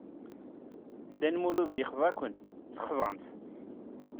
Dda Lmulud yexḍa-ken, texḍam-t.